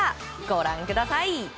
ご覧ください。